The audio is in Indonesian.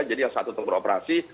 jadi yang satu untuk beroperasi